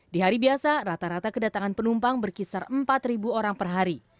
di hari biasa rata rata kedatangan penumpang berkisar empat orang per hari